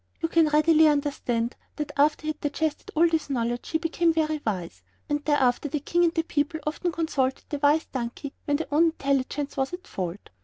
You can readily understand that after he had digested all this knowledge he became very wise, and thereafter the King and the people often consulted the Wise Donkey when their own intelligence was at fault.